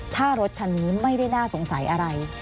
ถ้ารถคันนี้ไม่ได้น่าสงสัยอะไร